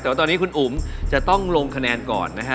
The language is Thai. แต่ว่าตอนนี้คุณอุ๋มจะต้องลงคะแนนก่อนนะฮะ